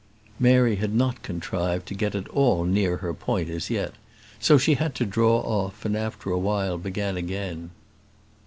Mary had not contrived to get at all near her point as yet; so she had to draw off, and after a while begin again.